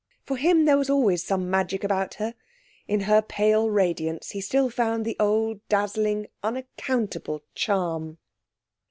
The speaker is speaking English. For him there was always some magic about her; in her pale radiance he still found the old dazzling, unaccountable charm....